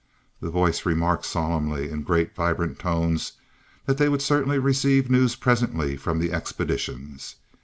The voice remarked solemnly, in great, vibrant tones, that they would certainly receive news presently from the Expeditions.